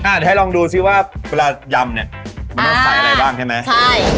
เดี๋ยวให้ลองดูซิว่าเวลายำเนี่ยมันต้องใส่อะไรบ้างใช่ไหมใช่